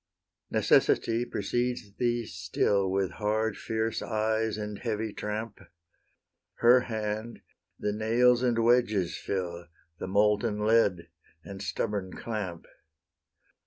Necessity precedes thee still With hard fierce eyes and heavy tramp: Her hand the nails and wedges fill, The molten lead and stubborn clamp.